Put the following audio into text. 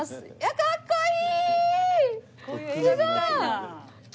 かっこいい。